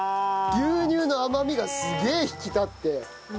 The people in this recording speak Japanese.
牛乳の甘みがすげえ引き立って。